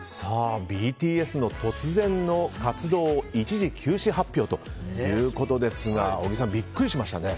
ＢＴＳの突然の活動一時休止発表ということですが小木さん、ビックリしましたね。